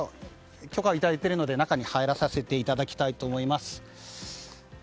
許可をいただいているので中に入らさせていただきたいと思います。